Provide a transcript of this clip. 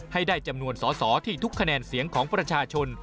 ให้ได้จำนวนสอสอที่ทุกคะแนนเสียงของประชาชน